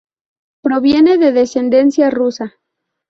Proviene de descendencia rusa.